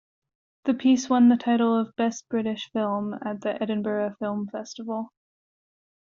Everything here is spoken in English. The piece won the title of 'Best British Film' at the Edinburgh Film Festival.